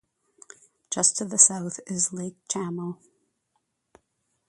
Just to the south is Lake Chamo.